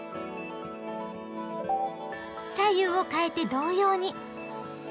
左右をかえて同様に。